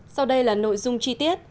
sau đây là nội dung chi tiết